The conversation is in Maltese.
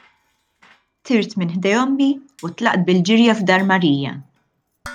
Tirt minn ħdejn ommi u tlaqt bil-ġirja f'dar Marija.